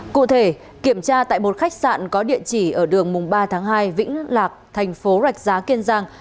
cụ thể kiểm tra tại một khách sạn có địa chỉ ở đường mùng ba tháng hai vĩnh lạc thành phố rạch giá kiên giang